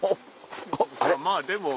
まぁでも。